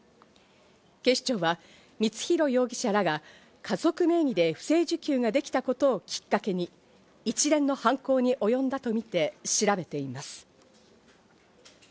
警視庁は光弘容疑者らが家族名義で不正受給ができたことをきっかけに、一連の犯行におよんだとみて調べています。